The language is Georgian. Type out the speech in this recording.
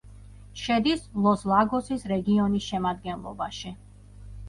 შედის ლოს-ლაგოსის რეგიონის შემადგენლობაში.